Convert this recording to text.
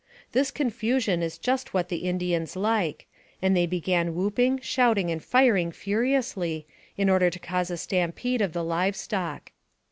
This confusion is just what the Indians like, and they began whooping, shouting, and firing furi ously, in order to cause a stampede of the liVe stock.